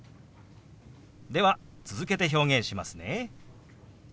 では続けて表現しますね。